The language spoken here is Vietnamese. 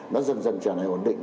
nó dần dần trở lại ổn định